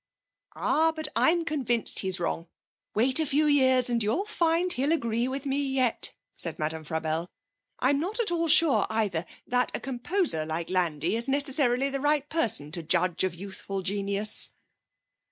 'Ah, but I am convinced he's wrong. Wait a few years and you'll find he'll agree with me yet,' said Madame Frabelle. 'I'm not at all sure, either, that a composer like Landi is necessarily the right person to judge of youthful genius.'